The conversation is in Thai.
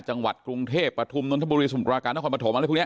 จังหวัดกรุงเทพประทุมนบสกนบอะไรพวกนี้